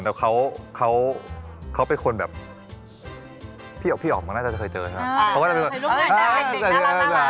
ถ้าถามถามเมื่อวันเราถามครางไว้ใช่ไหม